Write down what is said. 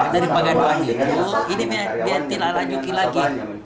dari penganduan itu ini biar dilanjuki lagi